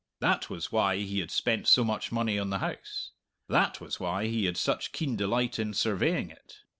That was why he had spent so much money on the house. That was why he had such keen delight in surveying it.